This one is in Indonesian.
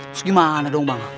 terus gimana dong bang